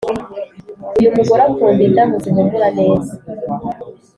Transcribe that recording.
Uyumugore akunda indabo zihumura neza